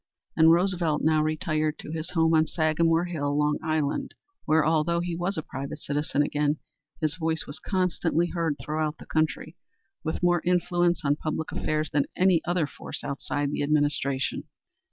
And Roosevelt now retired to his home on Sagamore Hill, Long Island, where although he was a private citizen again, his voice was constantly heard throughout the country, with more influence on public affairs than any other force outside the Administration.